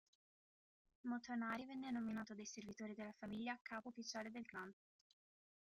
Motonari venne nominato dai servitori della famiglia capo ufficiale del clan.